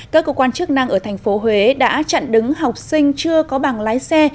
các cơ quan chức năng ở thành phố huế đã chặn đứng học sinh chưa có bằng lái xe